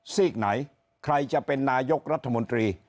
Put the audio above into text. ซีกไหนใครจะเป็นนายกรัฐมนตรี